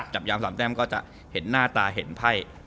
จับยาม๓แต้มก็จะเห็นหน้าตาเห็นไพ่